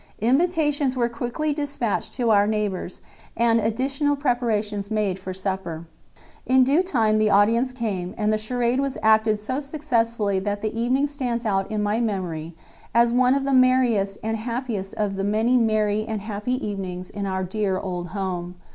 Invitations were quickly dispatched to our neighbours, and additional preparations made for supper. In due time the audience came, and the charade was acted so successfully that the evening stands out in my memory as one of the merriest and happiest of the many merry and happy evenings in our dear old home.